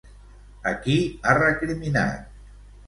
A qui ha recriminat?